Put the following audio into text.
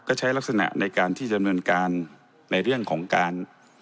ก็ใช้ลักษณะในการที่ดำเนินการในเรื่องของการ